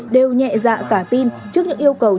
đều nhẹ dạ cả tin trước những yêu cầu